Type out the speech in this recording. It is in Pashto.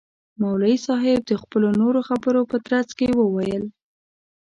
مولوی صاحب د خپلو نورو خبرو په ترڅ کي وویل.